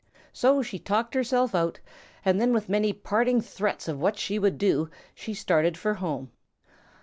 So she talked herself out and then with many parting threats of what she would do, she started for home.